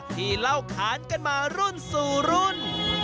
ที่เล่าขานกันมารุ่นสู่รุ่น